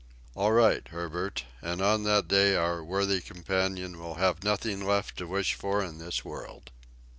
"All right, Herbert, and on that day our worthy companion will have nothing left to wish for in this world."